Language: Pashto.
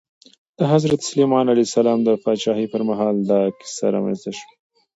د حضرت سلیمان علیه السلام د پاچاهۍ پر مهال دا کیسه رامنځته شوه.